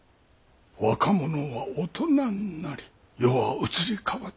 若者は大人になり世は移り変わっていきます。